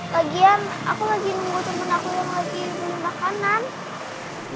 lagian aku lagi nunggu temen aku yang lagi makanan